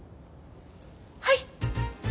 はい！